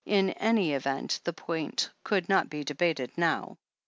In any event, the point could not be debated now.